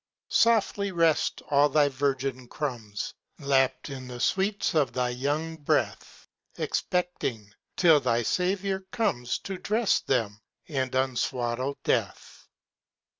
Softly rest all thy virgin crumbs! Lapped in the sweets of thy young breath, Expecting till thy Saviour comes To dress them, and unswaddle death.